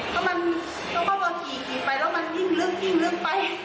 ก็มันแล้วก็พอขี่ขี่ไปแล้วมันยิ่งลึกยิ่งลึกไป